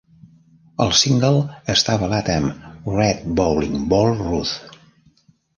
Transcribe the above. El single està avalat amb "Red Bowling Ball Ruth".